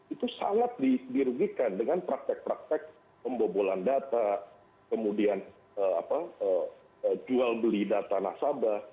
itu sangat dirugikan dengan praktek praktek pembobolan data kemudian jual beli data nasabah